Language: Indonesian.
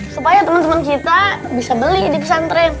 supaya temen temen kita bisa beli di pesantren